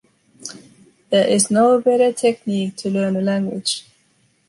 There is no better technique to learn a language.